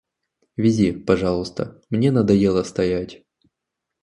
Вези, пожалуйста, мне надоело стоять.